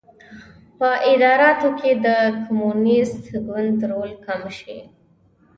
په اداراتو کې د کمونېست ګوند رول کم شي.